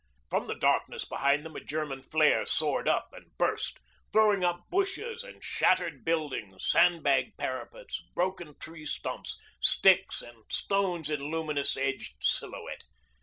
From the darkness behind them a German flare soared up and burst, throwing up bushes and shattered buildings, sandbag parapets, broken tree stumps, sticks and stones in luminous edged silhouette.